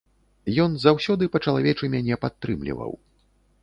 Ён заўсёды па-чалавечы мяне падтрымліваў.